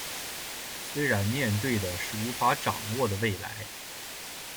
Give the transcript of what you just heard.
虽然面对的是无法掌握的未来